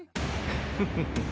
フフフフ。